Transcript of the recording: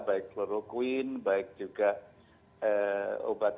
baik kloroquine baik juga obat